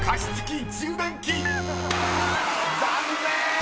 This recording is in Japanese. ［残念！］